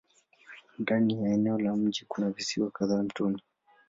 Ndani ya eneo la mji kuna visiwa kadhaa mtoni.